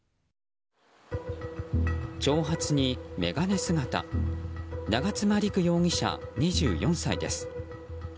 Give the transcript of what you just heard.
長髪に眼鏡姿長妻莉玖容疑者、２４歳です。